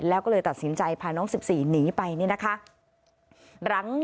แล้วก็เลยตัดสินใจพาน้อง๑๔หนีไปนี่นะคะ